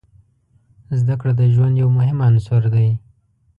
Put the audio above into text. زده کړه د ژوند یو مهم عنصر دی.